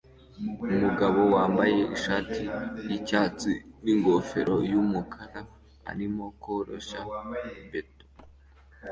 Umugabo wambaye ishati yicyatsi ningofero yumukara arimo koroshya beto